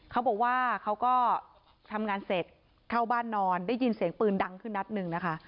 เขาบอกว่าเขาก็ทำงานเสร็จเข้าบ้านนอนได้ยินเสียงปืนดังขึ้นนัดหนึ่งนะคะ